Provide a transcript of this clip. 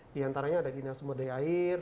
di antaranya ada dinas modai air